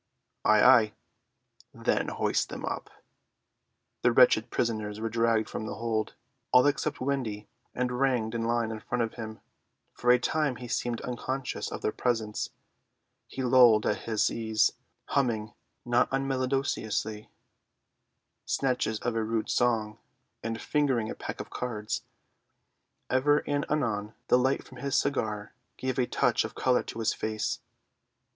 "Ay, ay." "Then hoist them up." The wretched prisoners were dragged from the hold, all except Wendy, and ranged in line in front of him. For a time he seemed unconscious of their presence. He lolled at his ease, humming, not unmelodiously, snatches of a rude song, and fingering a pack of cards. Ever and anon the light from his cigar gave a touch of colour to his face.